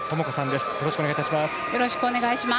よろしくお願いします。